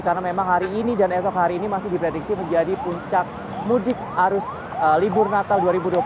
karena memang hari ini dan esok hari ini masih diprediksi menjadi puncak mudik arus libur natal dua ribu dua puluh